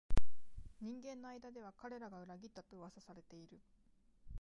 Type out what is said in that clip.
人々の間では彼らが裏切ったと噂されている